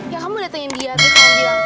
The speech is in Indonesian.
ya kamu udah tengok dia tuh kali dia